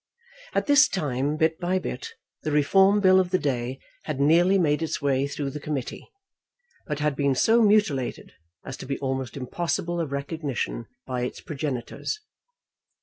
At this time, bit by bit, the Reform Bill of the day had nearly made its way through the committee, but had been so mutilated as to be almost impossible of recognition by its progenitors.